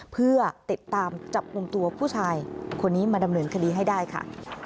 เพื่อติดตามจับกลุ่มตัวผู้ชายคนนี้มาดำเนินคดีให้ได้ค่ะ